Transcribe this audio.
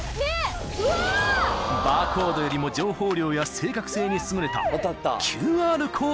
［バーコードよりも情報量や正確性に優れた］